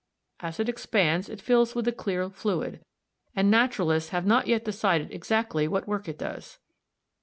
As it expands it fills with a clear fluid, and naturalists have not yet decided exactly what work it does.